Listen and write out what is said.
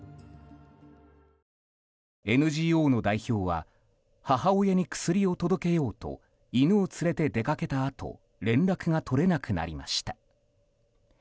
ＮＧＯの代表は母親に薬を届けようと犬を連れて出かけたあと連絡が取れなくなりました。